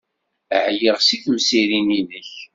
Ɛyiɣ seg temsirin-nnek.